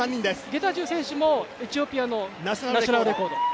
ゲタチュー選手もエチオピアのナショナルレコード。